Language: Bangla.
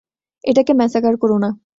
এটাকে ম্যাচাকার করো না।